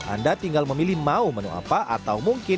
anda tinggal memilih mau menu apa atau mungkin